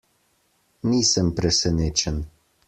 Nisem presenečen.